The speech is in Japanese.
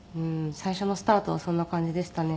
最初のスタートはそんな感じでしたね。